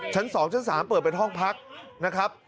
ชั้น๒ชั้น๓เปิดเป็นห้องพักนะครับ